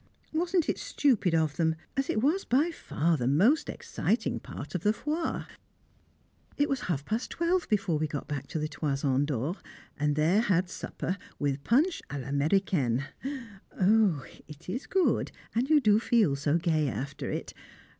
Wasn't it stupid of them, as it was by far the most exciting part of the Foire? It was half past twelve before we got back to the "Toison d'Or," and there had supper, with "Punch à l'Américaine." It is good, and you do feel so gay after it.